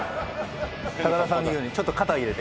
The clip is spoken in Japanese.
高田さんの言うようにちょっと肩を入れて。